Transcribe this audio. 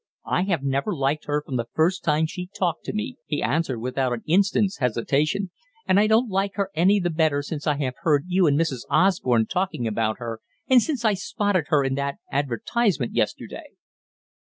"I have never liked her from the first time she talked to me," he answered without an instant's hesitation. "And I don't like her any the better since I have heard you and Mr. Osborne talking about her, and since I spotted her in that advertisement yesterday."